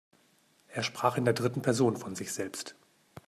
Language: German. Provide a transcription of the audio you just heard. Er sprach in der dritten Person von sich selbst.